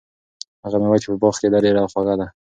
هغه مېوه چې په باغ کې ده، ډېره خوږه ده.